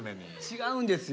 違うんですよ。